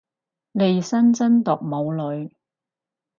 利申真毒冇女